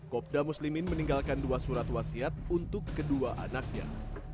kopda muslimin meninggalkan dua surat wasiat untuk kedua anaknya